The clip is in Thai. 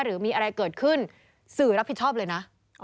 หรือมีอะไรเกิดขึ้นสื่อรับผิดชอบเลยนะ